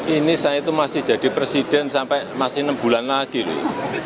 ini saya itu masih jadi presiden sampai masih enam bulan lagi loh